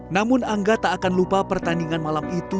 namun angga tak akan lupa pertandingan malam itu